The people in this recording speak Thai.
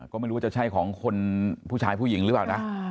ก็ไม่รู้ว่าจะใช่ของคนผู้ชายผู้หญิงหรือเปล่านะ